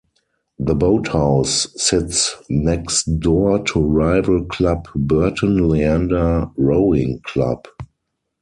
The boathouse sits next door to rival club Burton Leander Rowing Club.